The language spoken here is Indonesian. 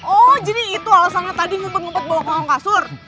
oh jadi itu alasannya tadi ngumpet ngumpet bawa ke orang kasur